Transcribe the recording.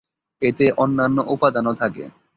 এতে অন্যান্য উপাদানও থাকে।